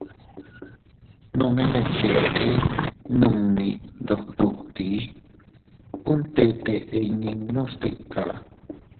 Nome ne cheʼe nunni ndog dutti, uun tete iynninnu stika.